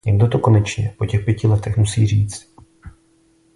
Někdo to konečně, po těch pěti letech, musí říci.